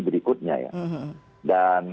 berikutnya ya dan